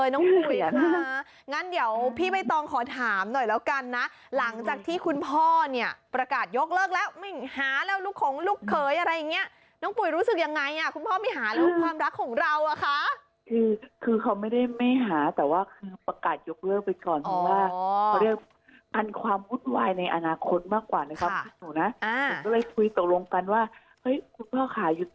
น้องปุ๋ยต้องขอถามหน่อยแล้วกันนะหลังจากที่คุณพ่อเนี่ยประกาศยกเลิกแล้วหาแล้วลูกของลูกเคยอะไรอย่างเงี้ยน้องปุ๋ยรู้สึกยังไงคุณพ่อไม่หาแล้วความรักของเราอะคะคือเขาไม่ได้ไม่หาแต่ว่าประกาศยกเลิกไปก่อนเพราะว่าเขาเรียกกันความมุดวายในอนาคตมากกว่านะครับผมนะผมก็เลยคุยตกลงกันว่าคุณพ่อขาย